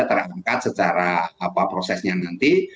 terangkat secara prosesnya nanti